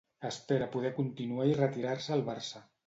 Espera poder continuar i retirar-se al Barça.